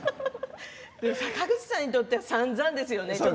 坂口さんにとってはさんざんですよね